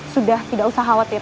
sudah tidak usah khawatir